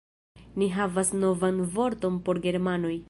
Ni havas novan vorton por germanoj